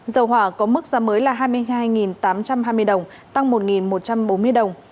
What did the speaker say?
dầu hỏa có mức giá mới là hai mươi hai tám trăm hai mươi đồng tăng một một trăm bốn mươi đồng